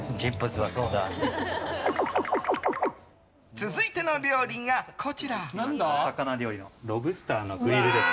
続いての料理が、こちら。